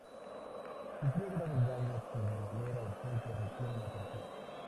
Sufrió graves daños que de manera urgente requieren atención.